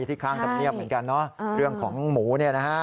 ที่ข้างธรรมเนียบเหมือนกันเนอะเรื่องของหมูเนี่ยนะฮะ